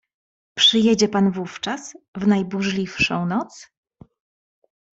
"Przyjedzie pan wówczas w najburzliwszą noc?"